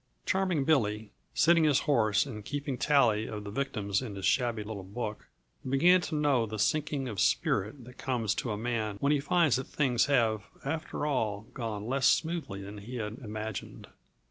Charming Billy, sitting his horse and keeping tally of the victims in his shabby little book, began to know the sinking of spirit that comes to a man when he finds that things have, after all, gone less smoothly than he had imagined.